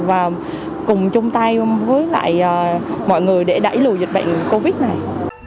và cùng chung tay với lại mọi người để đẩy lùi dịch bệnh covid này